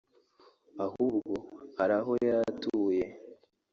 ahubwo hari aho yari atuye